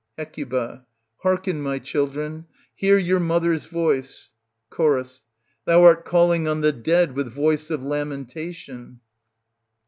Hec. Hearken, my children, hear your mother's voice. Cho. Thou art calling on the dead with voice of lamen tation.